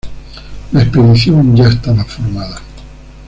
La expedición ya estaba formada.